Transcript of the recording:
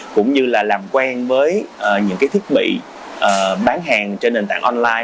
cũng như là làm quen với những cái thiết bị bán hàng trên nền tảng online